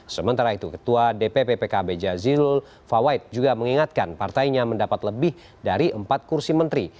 sementara itu ketua dpp pkb jazilul fawait juga mengingatkan partainya mendapat lebih dari empat kursi menteri